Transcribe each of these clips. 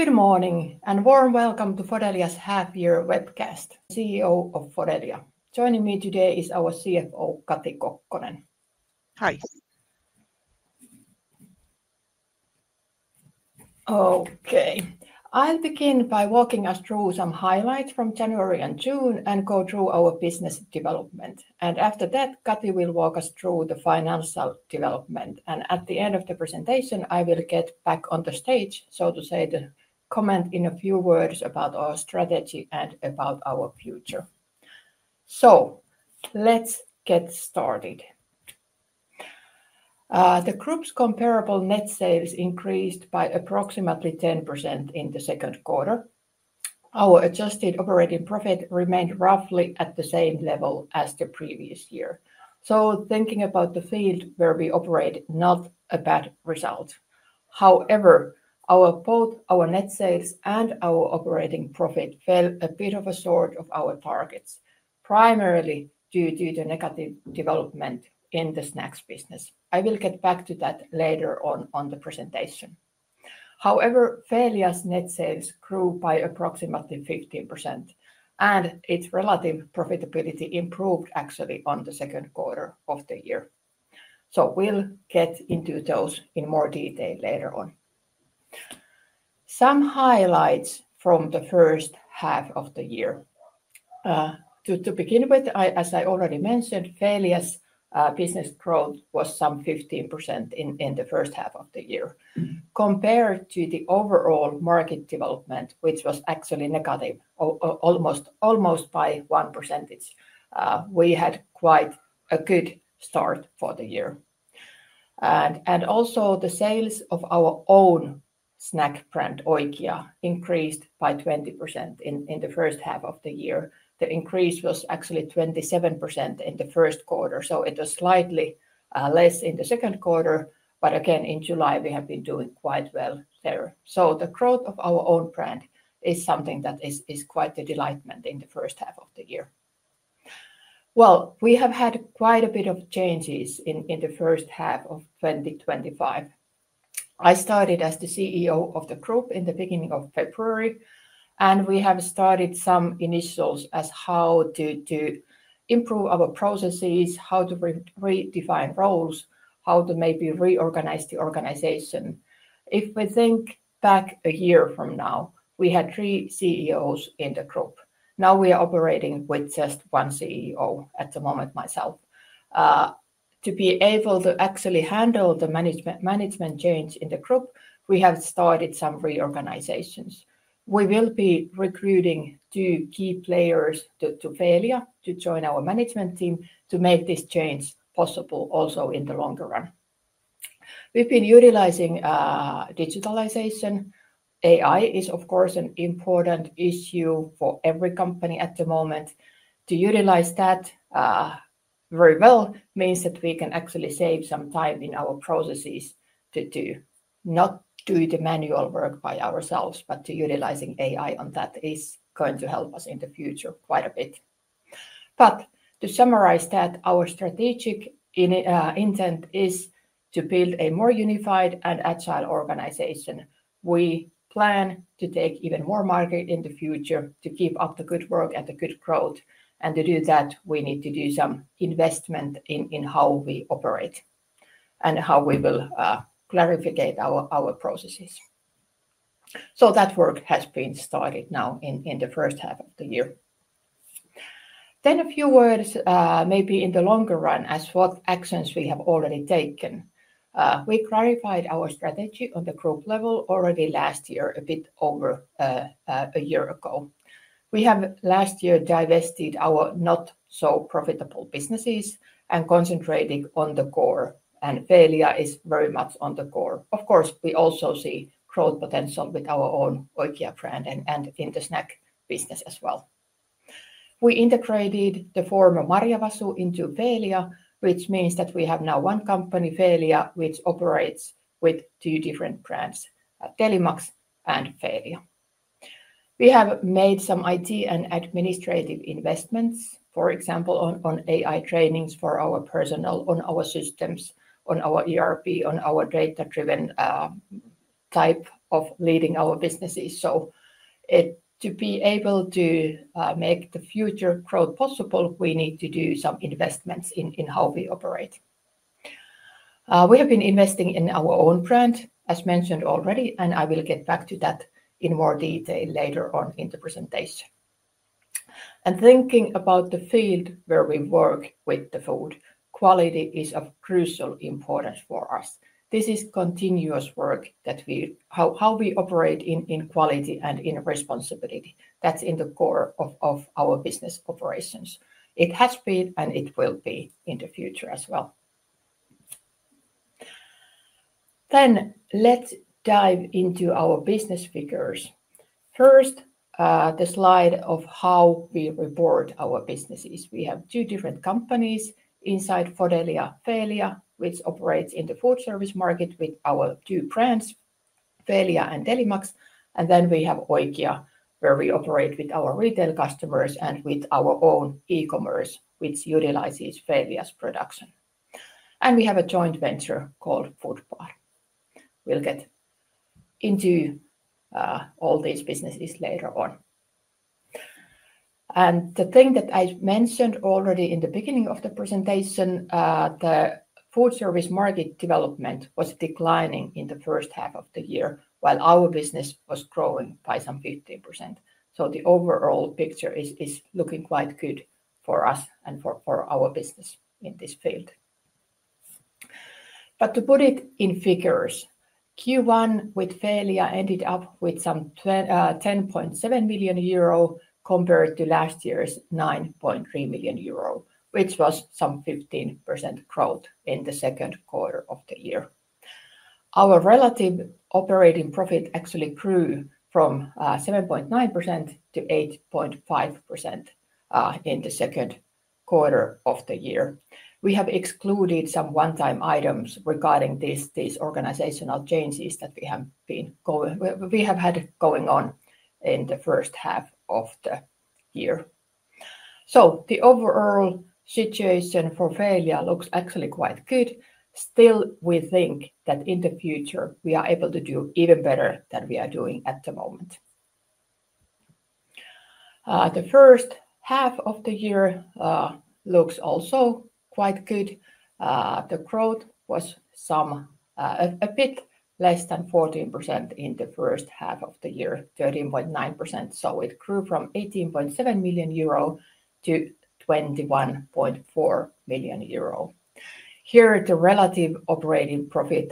Good morning and warm welcome to Fodelia's Half Year Webcast. CEO of Fodelia. Joining me today is our CFO, Kati Kokkonen. Hi. Okay, I'll begin by walking us through some highlights from January and June and go through our business development. After that, Kati will walk us through the financial development. At the end of the presentation, I will get back on the stage, so to say, to comment in a few words about our strategy and about our future. Let's get started. The group's comparable net sales increased by approximately 10% in the second quarter. Our adjusted operating profit remained roughly at the same level as the previous year. Thinking about the field where we operate, not a bad result. However, both our net sales and our operating profit fell a bit short of our targets, primarily due to the negative development in the snacks business. I will get back to that later on in the presentation. However, Feelia net sales grew by approximately 15% and its relative profitability improved actually in the second quarter of the year. We'll get into those in more detail later on. Some highlights from the first half of the year. To begin with, as I already mentioned, Feelia business growth was some 15% in the first half of the year. Compared to the overall market development, which was actually negative, almost by 1%, we had quite a good start for the year. Also, the sales of our own snack brand Oikia increased by 20% in the first half of the year. The increase was actually 27% in the first quarter, so it was slightly less in the second quarter. Again, in July, we have been doing quite well there. The growth of our own brand is something that is quite a delightment in the first half of the year. We have had quite a bit of changes in the first half of 2025. I started as the CEO of the group in the beginning of February, and we have started some initiatives as how to improve our processes, how to redefine roles, how to maybe reorganize the organization. If we think back a year from now, we had three CEOs in the group. Now we are operating with just one CEO at the moment, myself. To be able to actually handle the management change in the group, we have started some reorganizations. We will be recruiting two key players to Feelia to join our management team to make this change possible also in the longer run. We've been utilizing digitalization. AI is, of course, an important issue for every company at the moment. To utilize that very well means that we can actually save some time in our processes to not do the manual work by ourselves, but to utilize AI on that is going to help us in the future quite a bit. To summarize that, our strategic intent is to build a more unified and agile organization. We plan to take even more market in the future to keep up the good work and the good growth. To do that, we need to do some investment in how we operate and how we will clarify our processes. That work has been started now in the first half of the year. A few words maybe in the longer run as to what actions we have already taken. We clarified our strategy on the group level already last year, a bit over a year ago. We have last year divested our not so profitable businesses and concentrated on the core, and Feelia is very much on the core. Of course, we also see growth potential with our own Oikia brand and in the snack business as well. We integrated the former Marjavasu into Feelia, which means that we have now one company, Feelia, which operates with two different brands: Telemax and Feelia. We have made some IT and administrative investments, for example, on AI trainings for our personnel, on our systems, on our ERP, on our data-driven type of leading our businesses. To be able to make the future growth possible, we need to do some investments in how we operate. We have been investing in our own brand, as mentioned already, and I will get back to that in more detail later on in the presentation. Thinking about the field where we work with the food, quality is of crucial importance for us. This is continuous work that we how we operate in quality and in responsibility. That's in the core of our business operations. It has been and it will be in the future as well. Let's dive into our business figures. First, the slide of how we reward our businesses. We have two different companies inside Fodelia: Feelia, which operates in the food service market with our two brands, Feelia and Telemax. We have Oikia, where we operate with our retail customers and with our own e-commerce, which utilizes Feelia production. We have a joint venture called Fodbar. We'll get into all these businesses later on. The thing that I mentioned already in the beginning of the presentation, the food service market development was declining in the first half of the year, while our business was growing by some 15%. The overall picture is looking quite good for us and for our business in this field. To put it in figures, Q1 with Feelia ended up with 10.7 million euro compared to last year's 9.3 million euro, which was 15% growth in the second quarter of the year. Our relative operating profit actually grew from 7.9% to 8.5% in the second quarter of the year. We have excluded some one-time items regarding these organizational changes that we have had going on in the first half of the year. The overall situation for Feelia looks actually quite good. Still, we think that in the future we are able to do even better than we are doing at the moment. The first half of the year looks also quite good. The growth was a bit less than 14% in the first half of the year, 13.9%. It grew from 18.7 million euro to 21.4 million euro. Here, the relative operating profit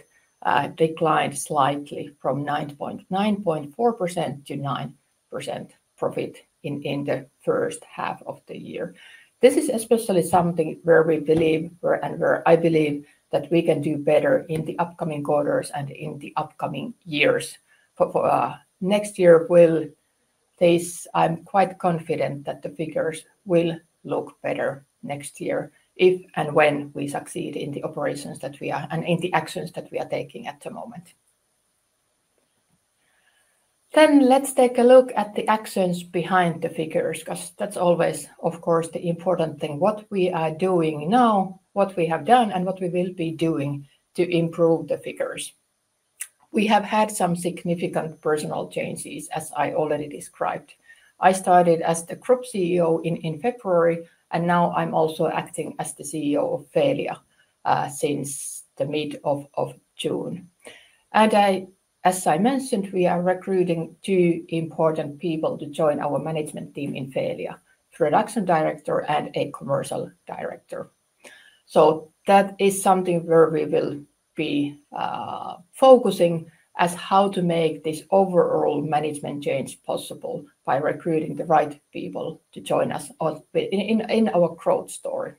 declined slightly from 9.4% to 9% profit in the first half of the year. This is especially something where we believe and where I believe that we can do better in the upcoming quarters and in the upcoming years. For next year, I'm quite confident that the figures will look better next year if and when we succeed in the operations that we are and in the actions that we are taking at the moment. Let's take a look at the actions behind the figures, because that's always, of course, the important thing: what we are doing now, what we have done, and what we will be doing to improve the figures. We have had some significant personal changes, as I already described. I started as the Group CEO in February, and now I'm also acting as the CEO of Feelia since the middle of June. As I mentioned, we are recruiting two important people to join our management team in Feelia: a Production Director and a Commercial Director. That is something where we will be focusing on how to make this overall management change possible by recruiting the right people to join us in our growth story.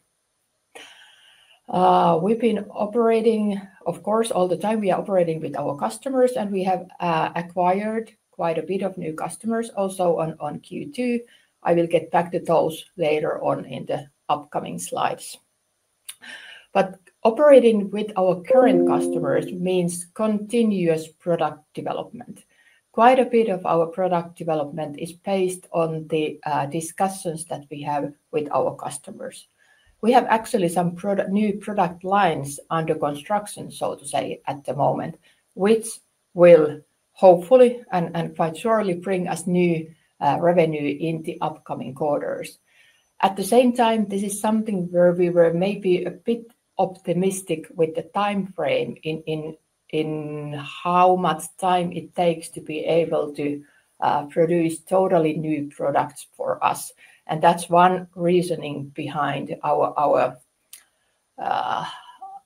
We've been operating, of course, all the time. We are operating with our customers, and we have acquired quite a bit of new customers also in Q2. I will get back to those later on in the upcoming slides. Operating with our current customers means continuous product development. Quite a bit of our product development is based on the discussions that we have with our customers. We have actually some new product lines under construction, so to say, at the moment, which will hopefully and quite surely bring us new revenue in the upcoming quarters. At the same time, this is something where we were maybe a bit optimistic with the timeframe in how much time it takes to be able to produce totally new products for us. That's one reasoning behind our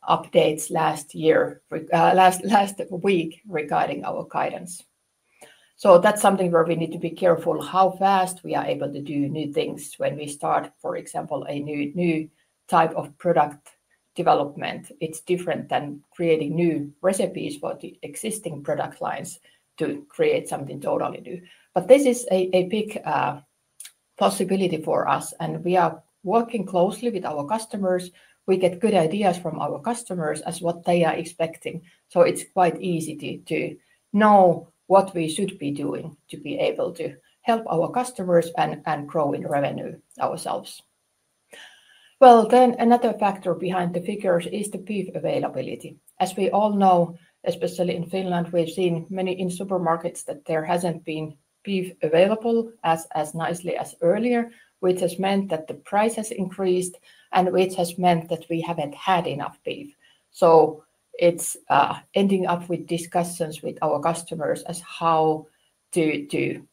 updates last week regarding our guidance. That's something where we need to be careful how fast we are able to do new things when we start, for example, a new type of product development. It's different than creating new recipes for the existing product lines to create something totally new. This is a big possibility for us, and we are working closely with our customers. We get good ideas from our customers as to what they are expecting. It's quite easy to know what we should be doing to be able to help our customers and grow in revenue ourselves. Another factor behind the figures is the beef availability. As we all know, especially in Finland, we've seen many in supermarkets that there hasn't been beef available as nicely as earlier, which has meant that the price has increased and which has meant that we haven't had enough beef. It's ending up with discussions with our customers as to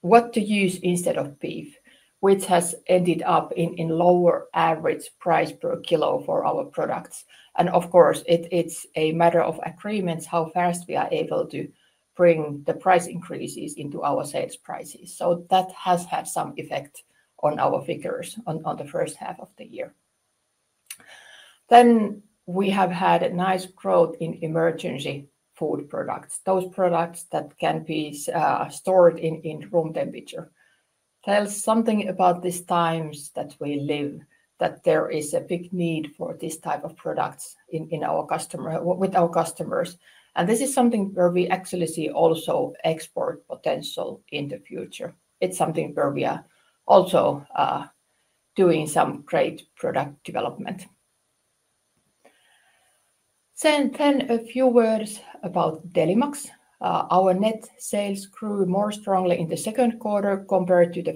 what to use instead of beef, which has ended up in lower average price per kilo for our products. Of course, it's a matter of agreements how fast we are able to bring the price increases into our sales prices. That has had some effect on our figures on the first half of the year. We have had a nice growth in emergency food products, those products that can be stored in room temperature. Tells something about these times that we live, that there is a big need for this type of products with our customers. This is something where we actually see also export potential in the future. It's something where we are also doing some great product development. A few words about Telemax. Our net sales grew more strongly in the second quarter compared to the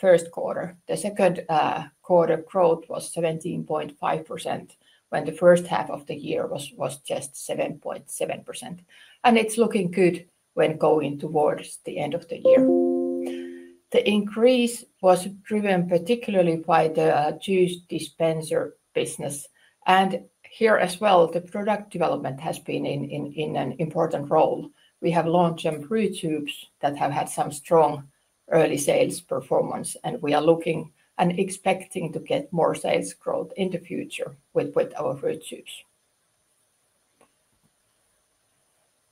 first quarter. The second quarter growth was 17.5% when the first half of the year was just 7.7%. It's looking good when going towards the end of the year. The increase was driven particularly by the juice dispenser business. Here as well, the product development has been in an important role. We have launched some fruit soups that have had some strong early sales performance, and we are looking and expecting to get more sales growth in the future with our fruit soups.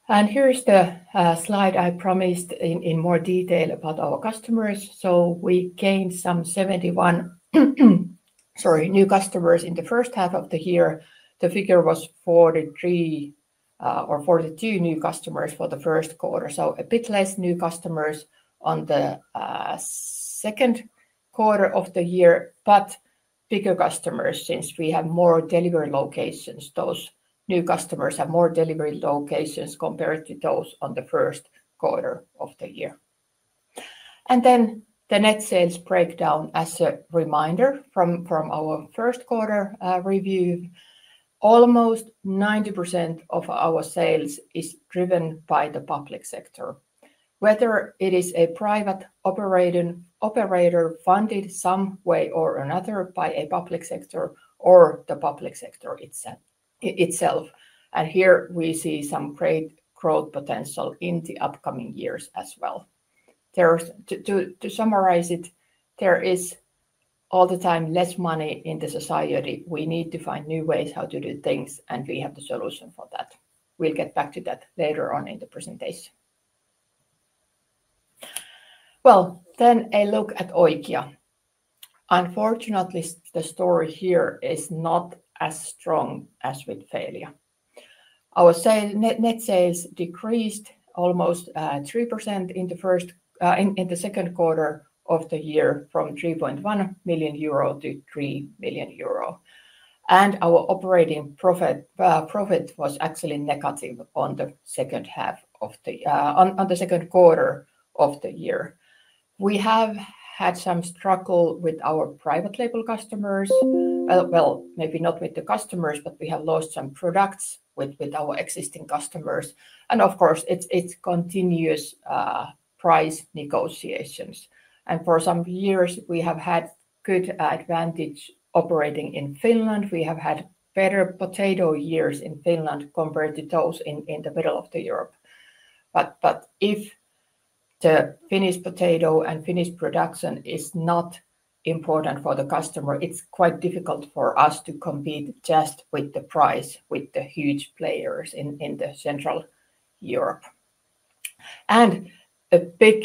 Here is the slide I promised in more detail about our customers. We gained some 71 new customers in the first half of the year. The figure was 43 or 42 new customers for the first quarter, so a bit less new customers in the second quarter of the year, but bigger customers since we have more delivery locations. Those new customers have more delivery locations compared to those in the first quarter of the year. The net sales breakdown, as a reminder from our first quarter review, almost 90% of our sales is driven by the public sector, whether it is a private operator funded some way or another by a public sector or the public sector itself. Here we see some great growth potential in the upcoming years as well. To summarize it, there is all the time less money in the society. We need to find new ways how to do things, and we have the solution for that. We will get back to that later on in the presentation. A look at Oikia. Unfortunately, the story here is not as strong as with Feelia. Our net sales decreased almost 3% in the second quarter of the year from 3.1 million euro to 3 million euro. Our operating profit was actually negative in the second half of the second quarter of the year. We have had some struggle with our private label customers. Maybe not with the customers, but we have lost some products with our existing customers. Of course, it is continuous price negotiations. For some years, we have had good advantage operating in Finland. We have had better potato years in Finland compared to those in the middle of Europe. If the Finnish potato and Finnish production is not important for the customer, it is quite difficult for us to compete just with the price with the huge players in Central Europe. A big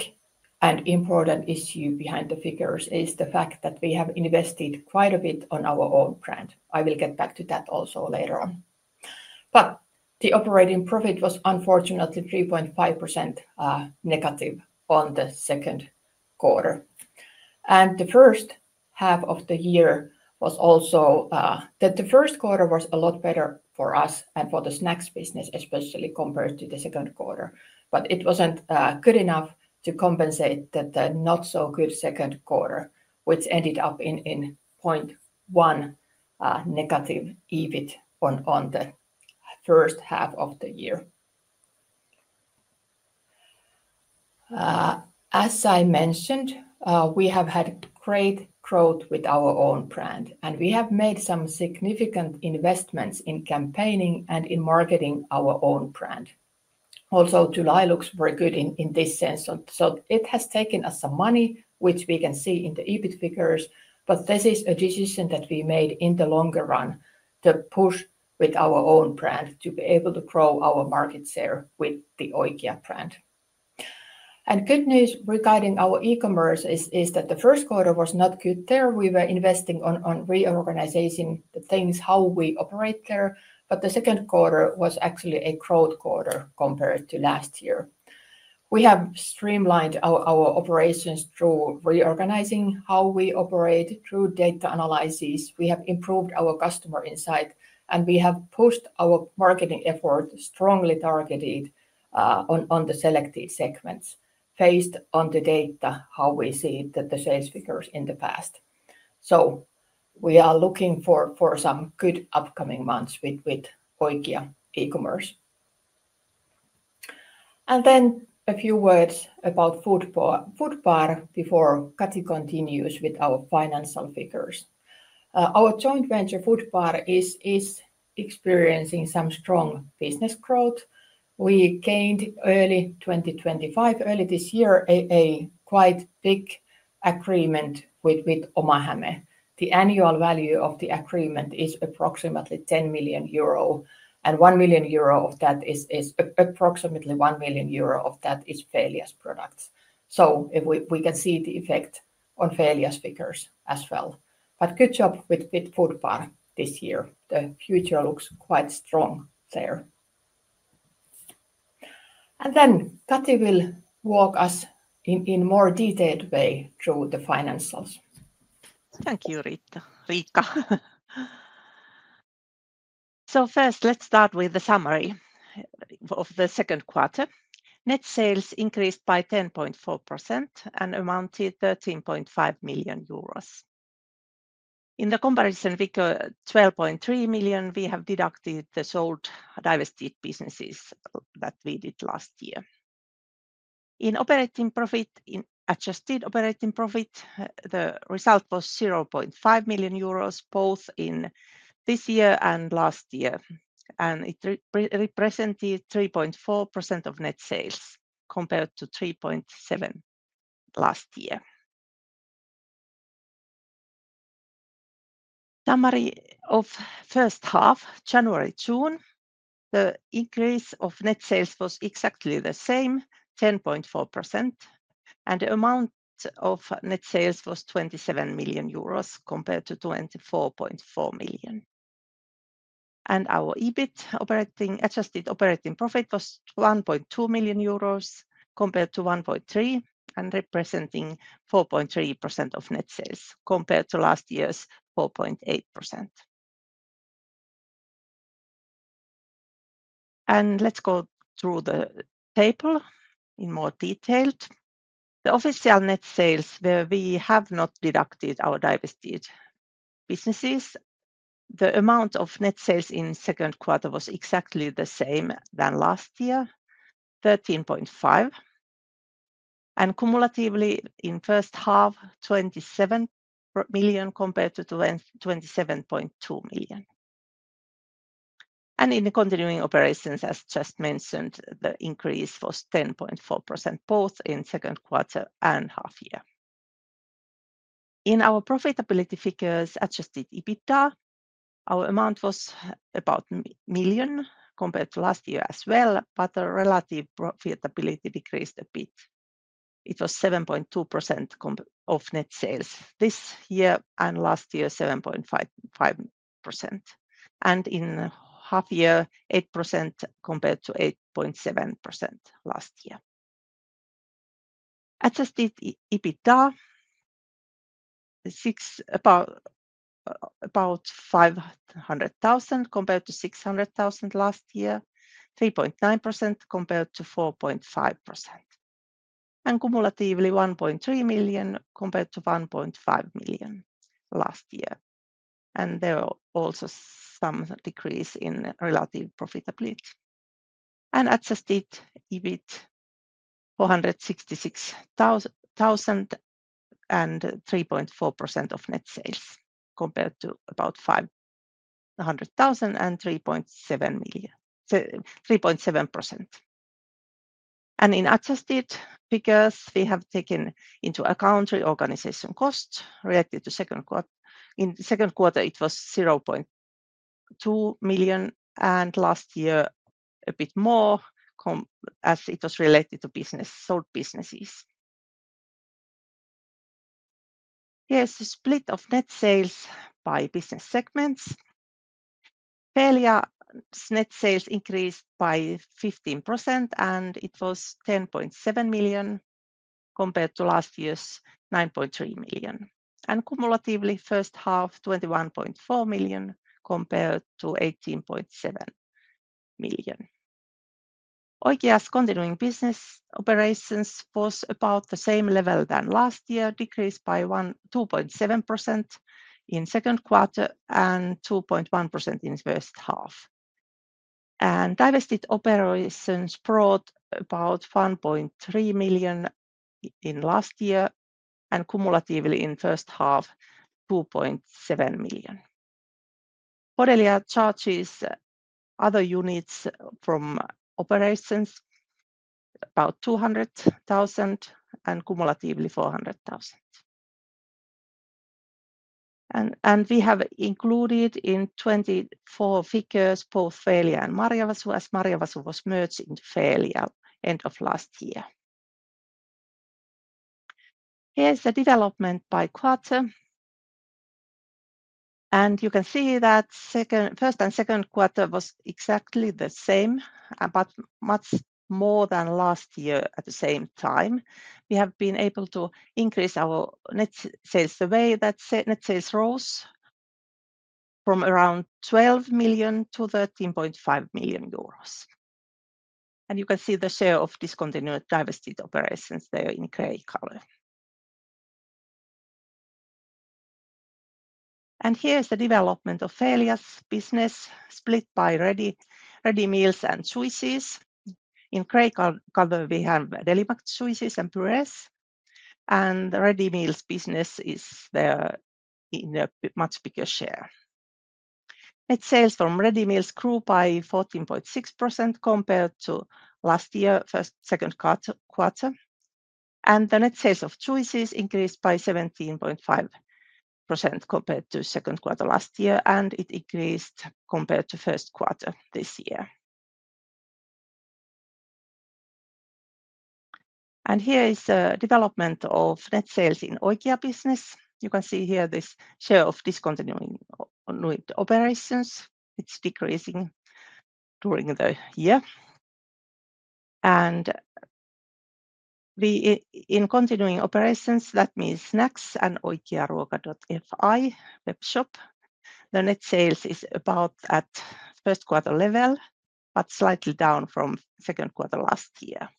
and important issue behind the figures is the fact that we have invested quite a bit on our own brand. I will get back to that also later on. The operating profit was unfortunately 3.5% negative in the second quarter. The first half of the year was also that the first quarter was a lot better for us and for the snacks business, especially compared to the second quarter. It wasn't good enough to compensate the not so good second quarter, which ended up in 0.1% negative EBIT on the first half of the year. As I mentioned, we have had great growth with our own brand, and we have made some significant investments in campaigning and in marketing our own brand. July looks very good in this sense. It has taken us some money, which we can see in the EBIT figures. This is a decision that we made in the longer run to push with our own brand to be able to grow our market share with the Oikia brand. Good news regarding our e-commerce is that the first quarter was not good there. We were investing on reorganizing the things, how we operate there. The second quarter was actually a growth quarter compared to last year. We have streamlined our operations through reorganizing how we operate, through data analysis. We have improved our customer insight, and we have pushed our marketing efforts strongly targeted on the selected segments based on the data, how we see the sales figures in the past. We are looking for some good upcoming months with Oikia e-commerce. A few words about Fodbar before Kati continues with our financial figures. Our joint venture Fodbar is experiencing some strong business growth. We gained early 2024, early this year, a quite big agreement with Oma Häme. The annual value of the agreement is approximately 10 million euro, and 1 million euro of that is Feelia products. We can see the effect on Feelia figures as well. Good job with Fodbar this year. The future looks quite strong there. Kati will walk us in a more detailed way through the financials. Thank you, Riikka. First, let's start with the summary of the second quarter. Net sales increased by 10.4% and amounted to 13.5 million euros. In the comparison figure, 12.3 million, we have deducted the sold divested businesses that we did last year. In adjusted operating profit, the result was 0.5 million euros, both in this year and last year. It represented 3.4% of net sales compared to 3.7% last year. Summary of the first half, January-June, the increase of net sales was exactly the same, 10.4%, and the amount of net sales was 27 million euros compared to 24.4 million. Our adjusted operating profit was 1.2 million euros compared to 1.3 million, representing 4.3% of net sales compared to last year's 4.8%. Let's go through the table in more detail. The official net sales where we have not deducted our divested businesses, the amount of net sales in the second quarter was exactly the same as last year, 13.5%. Cumulatively in the first half, 27 million compared to 27.2 million. In the continuing operations, as just mentioned, the increase was 10.4%, both in the second quarter and half year. In our profitability figures, adjusted EBITDA, our amount was about 1 million compared to last year as well, but the relative profitability decreased a bit. It was 7.2% of net sales this year and last year, 7.5%. In half year, 8% compared to 8.7% last year. Adjusted EBITDA is about 500,000 compared to 600,000 last year, 3.9% compared to 4.5%. Cumulatively, 1.3 million compared to 1.5 million last year. There are also some decreases in relative profitability. Adjusted EBIT, EUR 466,000 and 3.4% of net sales compared to about 500,000 and 3.7%. In adjusted figures, we have taken into account reorganization costs related to the second quarter. In the second quarter, it was 0.2 million, and last year, a bit more as it was related to sold businesses. Here's a split of net sales by business segments. Feelia net sales increased by 15%, and it was 10.7 million compared to last year's 9.3 million. Cumulatively, first half, 21.4 million compared to 18.7 million. Oikia's continuing business operations was about the same level as last year, decreased by 2.7% in the second quarter and 2.1% in the first half. Divested operations brought about 1.3 million in last year, and cumulatively in the first half, 2.7 million. Fodelia charges other units from operations about 200,000 and cumulatively 400,000. We have included in 2024 figures both Feelia and Marjavasu, as Marjavasu was merged into Feelia at the end of last year. Here is the development by quarter. You can see that the first and second quarter were exactly the same, but much more than last year at the same time. We have been able to increase our net sales the way that net sales rose from around 12 million to 13.5 million euros. You can see the share of discontinued divested operations there in gray color. Here is the development of Feelia business split by ready meals and choices. In gray color, we have Telemax, choices, and pures. The ready meals business is there in a much bigger share. Net sales from ready meals grew by 14.6% compared to last year, first and second quarter. The net sales of choices increased by 17.5% compared to the second quarter last year, and it increased compared to the first quarter this year. Here is the development of net sales in Oikia business. You can see here this share of discontinuing operations. It's decreasing during the year. In continuing operations, that means snacks and oikia-ruoka.fi webshop, the net sales is about at the first quarter level, but slightly down from the second quarter last year.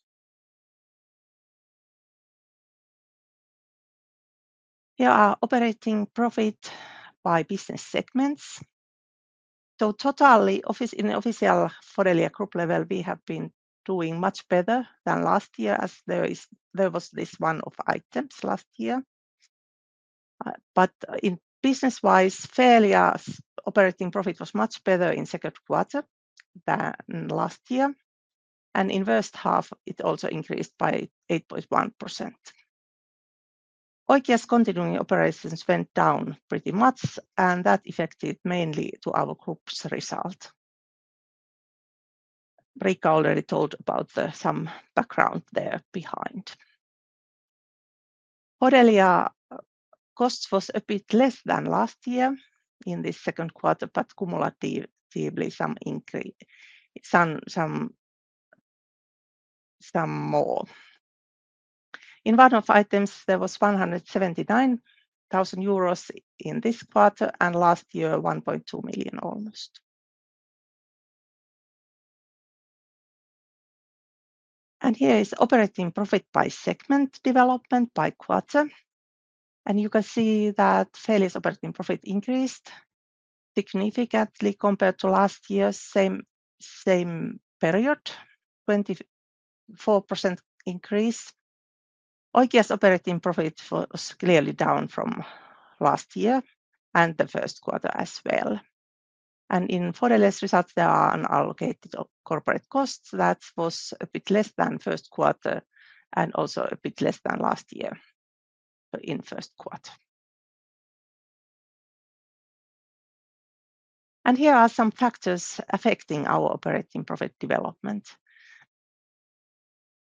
Here are operating profit by business segments. Totally, in the official Fodelia group level, we have been doing much better than last year, as there was this one-off items last year. In business-wise, Feelia operating profit was much better in the second quarter than last year. In the first half, it also increased by 8.1%. Oikia's continuing operations went down pretty much, and that affected mainly our group's result. Riikka already told about some background there behind. Fodelia cost was a bit less than last year in this second quarter, but cumulatively some more. In one-off items, there was 179,000 euros in this quarter, and last year, 1.2 million almost. Here is operating profit by segment development by quarter. You can see that Feelia operating profit increased significantly compared to last year's same period, 24% increase. Oikia's operating profit was clearly down from last year and the first quarter as well. In Fodelia's results, there are unallocated corporate costs that were a bit less than the first quarter and also a bit less than last year in the first quarter. Here are some factors affecting our operating profit development.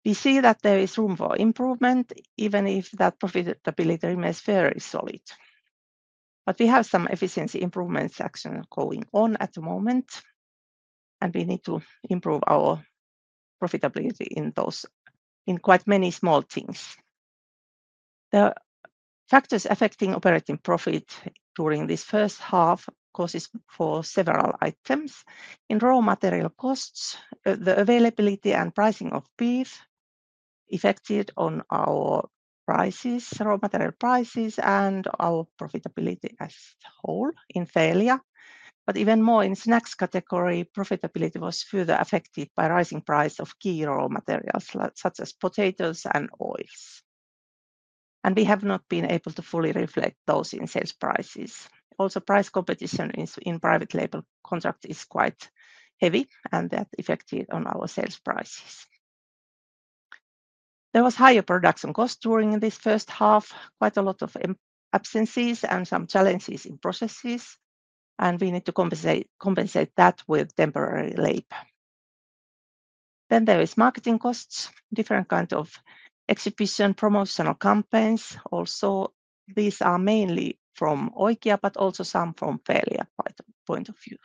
We see that there is room for improvement, even if that profitability remains very solid. We have some efficiency improvements actually going on at the moment, and we need to improve our profitability in quite many small things. The factors affecting operating profit during this first half are causes for several items. In raw material costs, the availability and pricing of beef affected our raw material prices and our profitability as a whole in Feelia. Even more in the snacks category, profitability was further affected by the rising price of key raw materials such as potatoes and oils. We have not been able to fully reflect those in sales prices. Also, price competition in private label contracts is quite heavy, and that affected our sales prices. There were higher production costs during this first half, quite a lot of absences and some challenges in processes, and we need to compensate that with temporary labor. There are marketing costs, different kinds of exhibition, promotional campaigns. These are mainly from Oikia, but also some from Feelia point of view.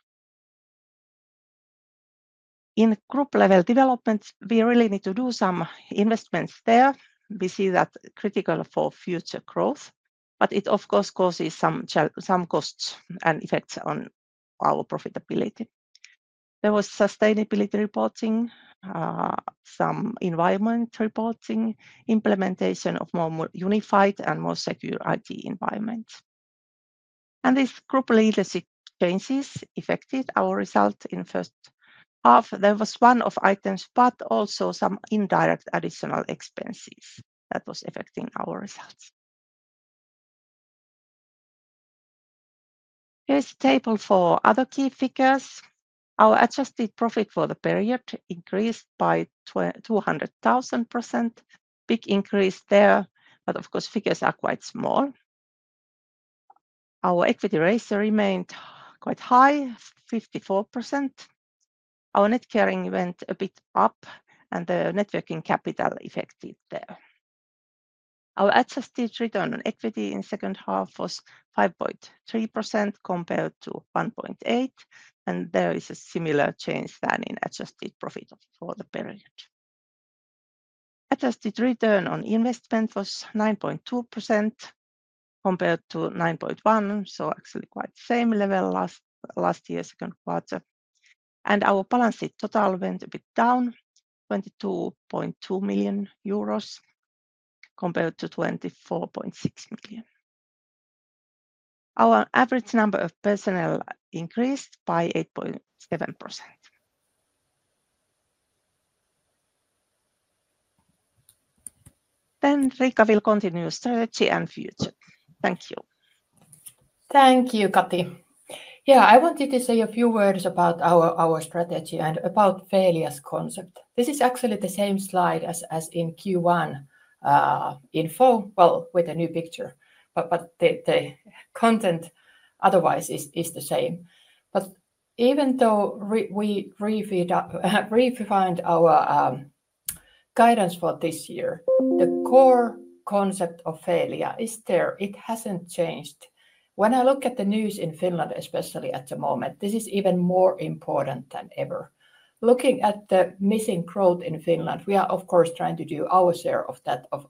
In group level development, we really need to do some investments there. We see that it's critical for future growth, but it, of course, causes some costs and effects on our profitability. There was sustainability reporting, some environment reporting, implementation of more unified and more secure IT environments. These group leadership changes affected our results in the first half. There was one-off items, but also some indirect additional expenses that were affecting our results. Here's a table for other key figures. Our adjusted profit for the period increased by 200,000%. Big increase there, but figures are quite small. Our equity ratio remained quite high, 54%. Our net carrying went a bit up, and the networking capital affected there. Our adjusted return on equity in the second half was 5.3% compared to 1.8%, and there is a similar change than in adjusted profit for the period. Adjusted return on investment was 9.2% compared to 9.1%, so actually quite the same level as last year's second quarter. Our balance sheet total went a bit down, 22.2 million euros compared to 24.6 million. Our average number of personnel increased by 8.7%. Riikka will continue strategy and future. Thank you. Thank you, Kati. I wanted to say a few words about our strategy and about Feelia's concept. This is actually the same slide as in Q1 info, with a new picture, but the content otherwise is the same. Even though we redefined our guidance for this year, the core concept of Feelia is there. It hasn't changed. When I look at the news in Finland, especially at the moment, this is even more important than ever. Looking at the missing growth in Finland, we are, of course, trying to do our share of that, of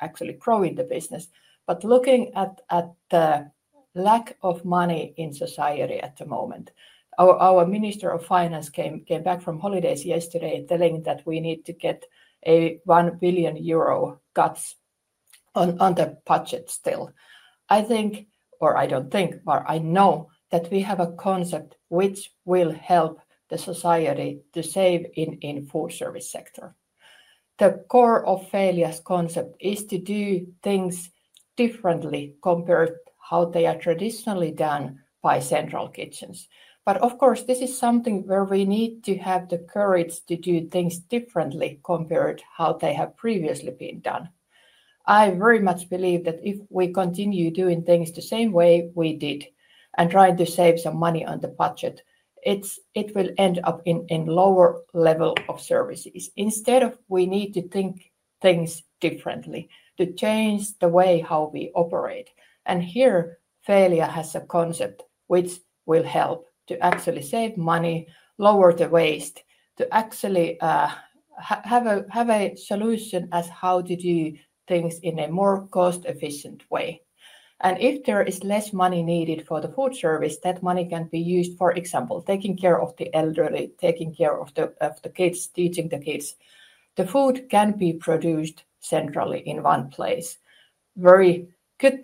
actually growing the business. Looking at the lack of money in society at the moment, our Minister of Finance came back from holidays yesterday telling that we need to get 1 billion euro cuts on the budget still. I think, or I don't think, but I know that we have a concept which will help the society to save in the food service sector. The core of Feelia's concept is to do things differently compared to how they are traditionally done by central kitchens. This is something where we need to have the courage to do things differently compared to how they have previously been done. I very much believe that if we continue doing things the same way we did and trying to save some money on the budget, it will end up in a lower level of services. Instead, we need to think things differently to change the way how we operate. Here, Feelia has a concept which will help to actually save money, lower the waste, to actually have a solution as to how to do things in a more cost-efficient way. If there is less money needed for the food service, that money can be used, for example, taking care of the elderly, taking care of the kids, teaching the kids. The food can be produced centrally in one place. Very good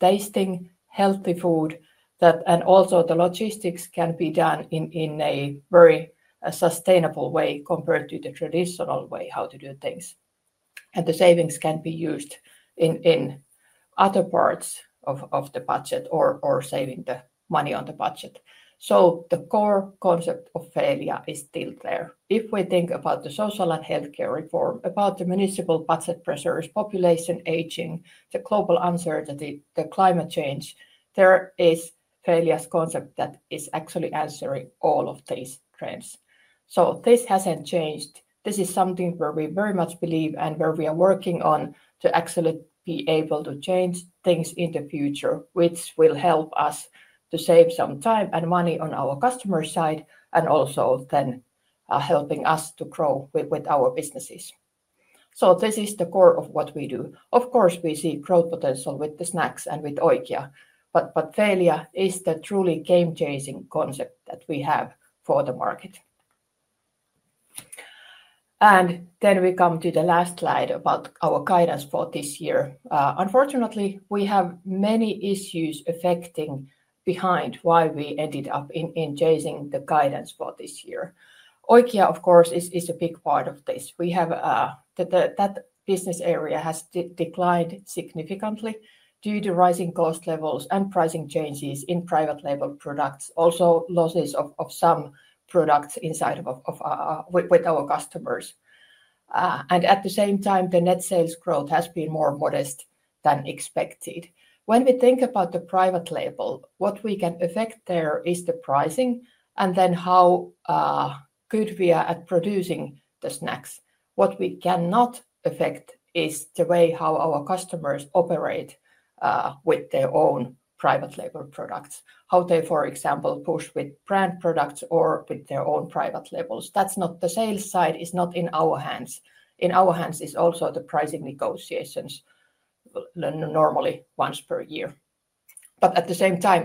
tasting, healthy food, and also the logistics can be done in a very sustainable way compared to the traditional way how to do things. The savings can be used in other parts of the budget or saving the money on the budget. The core concept of Feelia is still there. If we think about the social and healthcare reform, about the municipal budget pressures, population aging, the global uncertainty, the climate change, there is Feelia's concept that is actually answering all of these trends. This hasn't changed. This is something where we very much believe and where we are working on to actually be able to change things in the future, which will help us to save some time and money on our customer side and also then helping us to grow with our businesses. This is the core of what we do. Of course, we see growth potential with the snacks and with Oikia, but Feelia is the truly game-changing concept that we have for the market. Then we come to the last slide about our guidance for this year. Unfortunately, we have many issues behind why we ended up in chasing the guidance for this year. Oikia, of course, is a big part of this. That business area has declined significantly due to rising cost levels and pricing changes in private label products, also losses of some products with our customers. At the same time, the net sales growth has been more modest than expected. When we think about the private label, what we can affect there is the pricing and then how good we are at producing the snacks. What we cannot affect is the way our customers operate with their own private label products, how they, for example, push with brand products or with their own private labels. That's not the sales side, it's not in our hands. In our hands is also the pricing negotiations, normally once per year. At the same time,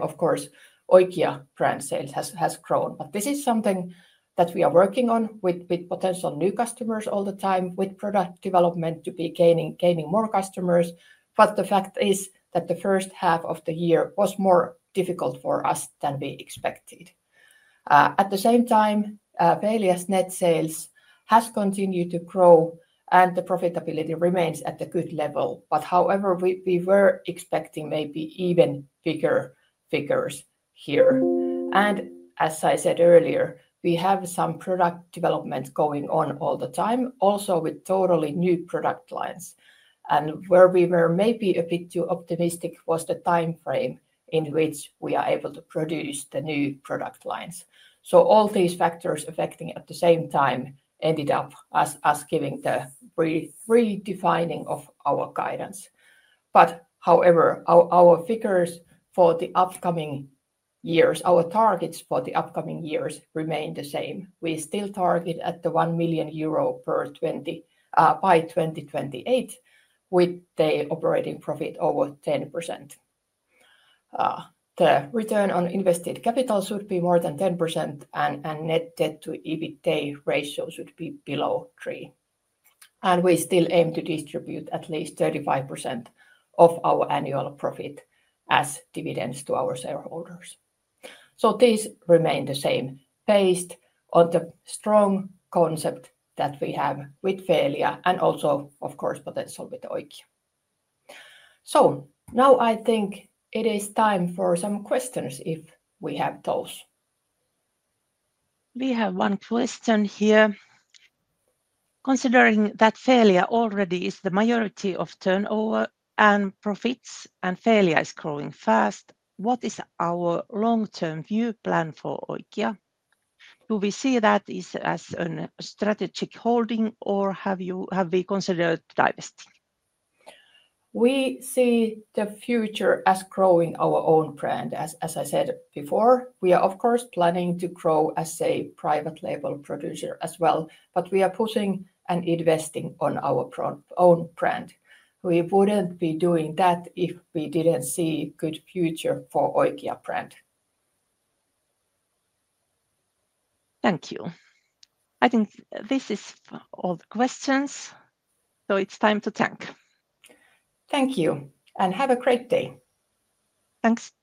Oikia brand sales has grown. This is something that we are working on with potential new customers all the time, with product development to be gaining more customers. The fact is that the first half of the year was more difficult for us than we expected. At the same time, Feelia net sales has continued to grow and the profitability remains at a good level. However, we were expecting maybe even bigger figures here. As I said earlier, we have some product developments going on all the time, also with totally new product lines. Where we were maybe a bit too optimistic was the timeframe in which we are able to produce the new product lines. All these factors affecting at the same time ended up as us giving the redefining of our guidance. However, our figures for the upcoming years, our targets for the upcoming years remain the same. We still target at the 1 million euro per year by 2028, with the operating profit over 10%. The return on invested capital should be more than 10% and net debt to EBITDA ratio should be below 3. We still aim to distribute at least 35% of our annual profit as dividends to our shareholders. These remain the same based on the strong concept that we have with Feelia and also, of course, potential with Oikia. I think it is time for some questions if we have those. We have one question here. Considering that Feelia already is the majority of turnover and profits, and Feelia is growing fast, what is our long-term view plan for Oikia? Do we see that as a strategic holding, or have we considered to divest? We see the future as growing our own brand. As I said before, we are, of course, planning to grow as a private label producer as well, but we are pushing and investing on our own brand. We wouldn't be doing that if we didn't see a good future for Oikia brand. Thank you. I think this is all the questions, so it's time to thank. Thank you and have a great day. Thanks, bye.